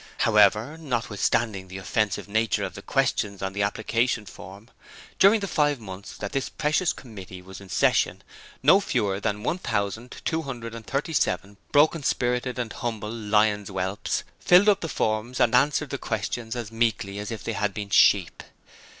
However, notwithstanding the offensive nature of the questions on the application form, during the five months that this precious committee was in session, no fewer than 1,237 broken spirited and humble 'lion's whelps' filled up the forms and answered the questions as meekly as if they had been sheep.